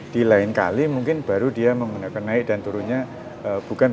di lain kali mungkin baru dia menggunakan naik dan turunnya bukan